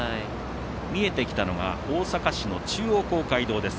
見えてきたのが大阪市の中央公会堂です。